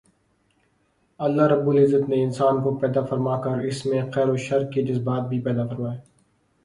اللہ رب العزت نے انسان کو پیدا فرما کر اس میں خیر و شر کے جذبات بھی پیدا فرمائے